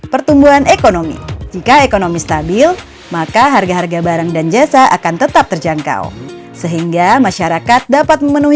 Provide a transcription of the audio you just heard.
pertumbuhan ekonomi jika ekonomi stabil maka harga harga barang dan jasa akan tetap terjangkau